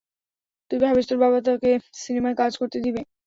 তুই ভাবিস তোর বাবা তোকে সিনেমায় কাজ করতে দিবে?